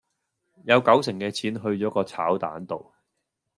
有九成嘅錢去咗個炒蛋度